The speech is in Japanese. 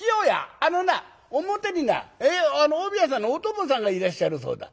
あのな表にな近江屋さんのお供さんがいらっしゃるそうだ。